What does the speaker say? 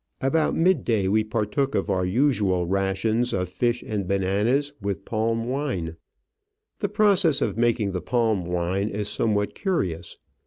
About mid day we partook of our usual rations of fish and bananas, with palm wine. The process of making the palm wine is somewhat curious.